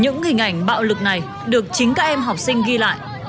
những hình ảnh bạo lực này được chính các em học sinh ghi lại